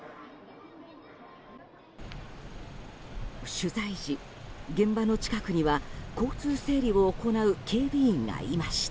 取材時、現場の近くには交通整理を行う警備員がいました。